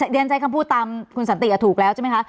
เรียนใช้คำพูดตามคุณสันติถูกแล้วใช่ไหมคะ